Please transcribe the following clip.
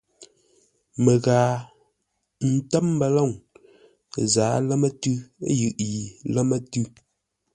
Məghaa, ə́ ntə́m mbəlôŋ. Ə zǎa lámə́-tʉ́ yʉʼ yi lámə́-tʉ́.